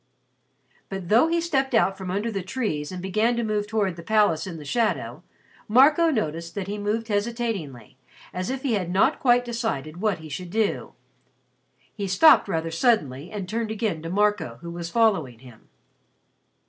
But though he stepped out from under the trees and began to move towards the palace in the shadow, Marco noticed that he moved hesitatingly, as if he had not quite decided what he should do. He stopped rather suddenly and turned again to Marco, who was following him.